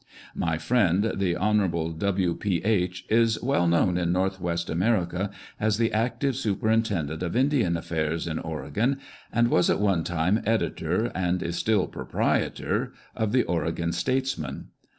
"] My friend, the Hon. W. P. H., is well known in North West America as the active superintendent of Indian affairs in Oregon, and was at one time editor, and is still proprietor, of the Oregon Statesman.